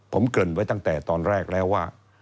ผมเกริ่นไว้ตั้งแต่ตอนแรกแล้วว่า